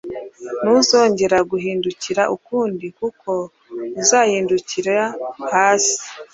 Ntuzongere guhindukira ukundi: Kuki uzahindukira hasi